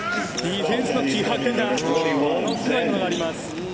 ディフェンスの気迫ものすごいものがあります。